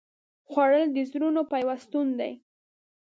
خوړل د زړونو پیوستون دی